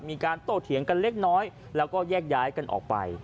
มีการโต้เถียงกันเล็กน้อยแล้วก็แยกย้ายกันออกไป